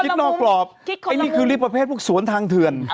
คิดคนละมุมนี่คือรีบประเภทพวกสวนทางเถือน